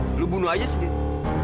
ya lu bunuh aja sendiri